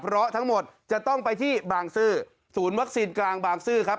เพราะทั้งหมดจะต้องไปที่บางซื่อศูนย์วัคซีนกลางบางซื่อครับ